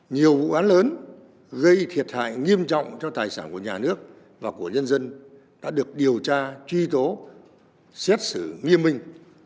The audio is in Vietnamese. nhiều vụ án lớn gây thiệt hại nghiêm trọng cho tài sản của nhà nước và của nhân dân đã được điều tra truy tố xét xử nghiêm minh